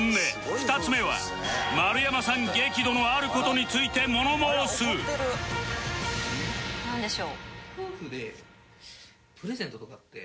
２つ目は丸山さん激怒のある事について物申すなんでしょう？